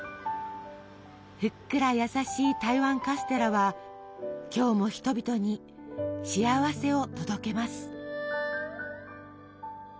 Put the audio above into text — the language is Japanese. ふっくら優しい台湾カステラは今日も人々に幸せを届けます。